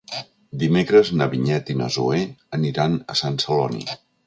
Dimecres na Vinyet i na Zoè aniran a Sant Celoni.